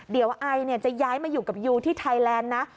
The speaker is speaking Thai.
เดี๋ยวไอจะย้ายมาอยู่กับยูที่ไทยแลนด์นะ